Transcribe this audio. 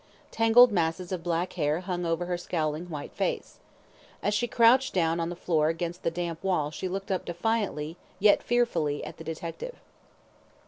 Tangled masses of black hair hung over her scowling white face. As she crouched down on the floor against the damp wall she looked up defiantly yet fearfully at the detective.